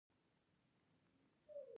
خلک د سرو زرو لپاره شمال ته لاړل.